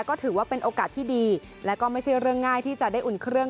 ก็ถือว่าเป็นโอกาสที่ดีและก็ไม่ใช่เรื่องง่ายที่จะได้อุ่นเครื่อง